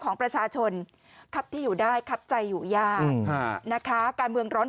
ของประชาชนครับที่อยู่ได้ครับใจอยู่ยากนะคะการเมืองร้อน